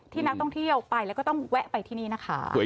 นักท่องเที่ยวไปแล้วก็ต้องแวะไปที่นี่นะคะ